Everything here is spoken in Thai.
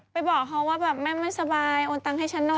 บอกเขาว่าแบบแม่ไม่สบายโอนตังค์ให้ฉันหน่อย